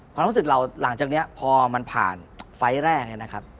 ความรู้สึกหลังจากนี้พอมันผ่านไฟล์ทแรก